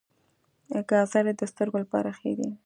ګازرې د سترګو لپاره ښې دي